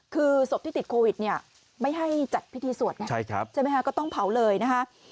คือศพที่ติดโควิดเนี่ยไม่ให้จัดพิธีสวดไงใช่ไหมคะก็ต้องเผาเลยนะคะ